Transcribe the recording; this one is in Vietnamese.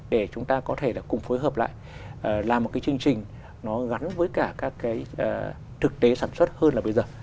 để chúng ta có thể là cùng phối hợp lại làm một cái chương trình nó gắn với cả các cái thực tế sản xuất hơn là bây giờ